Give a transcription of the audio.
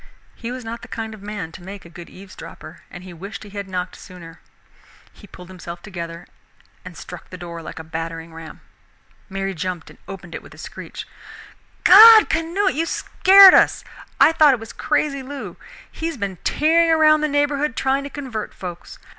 He was not the kind of man to make a good eavesdropper, and he wished he had knocked sooner. He pulled himself together and struck the door like a battering ram. Mary jumped and opened it with a screech. "God! Canute, how you scared us! I thought it was crazy Lou he has been tearing around the neighborhood trying to convert folks.